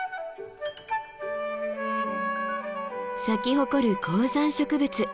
咲き誇る高山植物